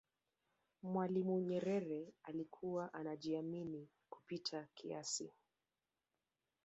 mwalimu nyerere alikuwa anajiamini kupita kiasi